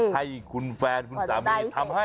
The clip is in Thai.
ให้คุณแฟนคุณสามีทำให้